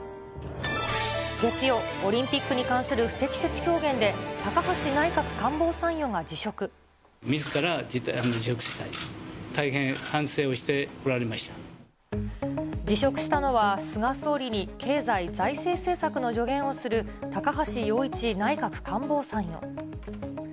月曜、オリンピックに関する不適切表現で、みずから辞職したいと、辞職したのは菅総理に経済、財政政策の助言をする、高橋洋一内閣官房参与。